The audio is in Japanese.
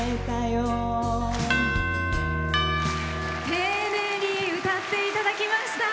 丁寧に歌っていただきました。